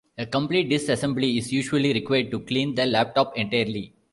A complete disassembly is usually required to clean the laptop entirely.